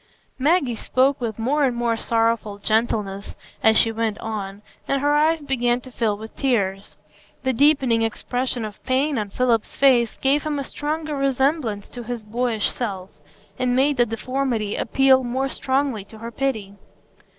Maggie spoke with more and more sorrowful gentleness as she went on, and her eyes began to fill with tears. The deepening expression of pain on Philip's face gave him a stronger resemblance to his boyish self, and made the deformity appeal more strongly to her pity.